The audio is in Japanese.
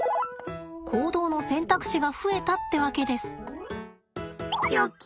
行動の選択肢が増えたってわけです。